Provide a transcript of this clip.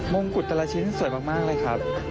งงกุฎแต่ละชิ้นสวยมากเลยครับ